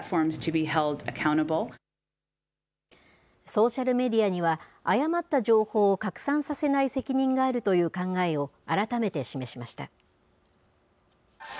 ソーシャルメディアには、誤った情報を拡散させない責任があるという考えを、改めて示しました。